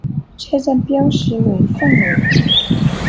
车站标识为凤尾。